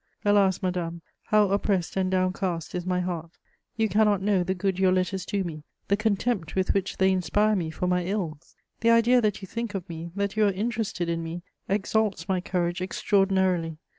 Alas, madame, how oppressed and downcast is my heart! You cannot know the good your letters do me, the contempt with which they inspire me for my ills! The idea that you think of me, that you are interested in me, exalts my courage extraordinarily.